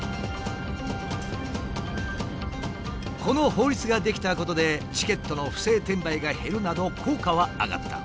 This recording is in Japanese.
この法律が出来たことでチケットの不正転売が減るなど効果は上がった。